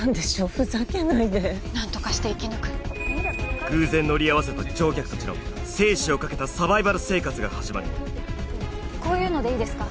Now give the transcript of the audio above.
ふざけないで何とかして生き抜く偶然乗りあわせた乗客たちの生死をかけたサバイバル生活が始まるこういうのでいいですか？